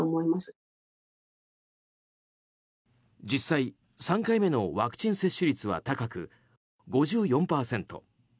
実際３回目のワクチン接種率は高く５４％。